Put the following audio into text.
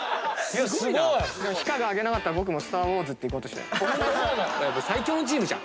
ひかが挙げなかったら僕も『スター・ウォーズ』っていこうとしてた。